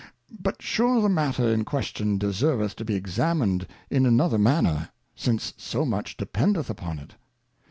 But sure the Matter in question de serveth to be examined in another manner, since so much dependeth upon it.